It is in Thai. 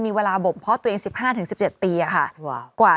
คุณผู้ชมขายังจริงท่านออกมาบอกว่า